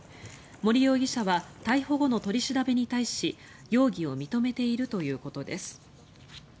森容疑者は逮捕後の取り調べに対し容疑を認めているということです。